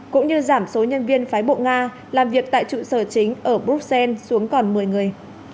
cũng như giảm số nhân viên phái bộ nga làm việc tại trụ sở chính ở bruxelles xuống còn một mươi người